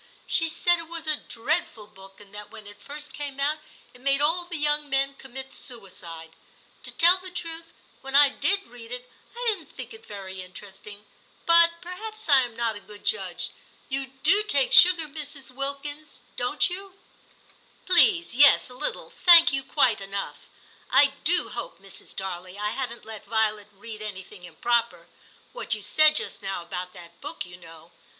She said it was a dreadful book, and that when it first came out it made all the young men commit suicide. To tell the truth, when I did read it, I didn't think it very interesting, but perhaps I am not a good judge. You do take sugar, Mrs. Wilkins, don't you "i '* Please yes, a little ; thank you, quite enough. I do hope, Mrs. Darley, I haven't let Violet read anything improper ; what you said just now about that book, you know.